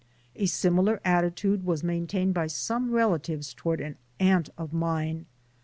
A similar attitude was maintained by some relatives toward an aunt of mine.